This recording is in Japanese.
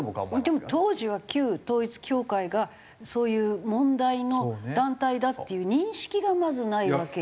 でも当時は旧統一教会がそういう問題の団体だっていう認識がまずないわけ。